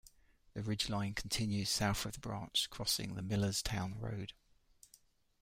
The ridgeline continues south of the branch, crossing the Millerstown Road.